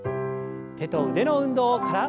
手と腕の運動から。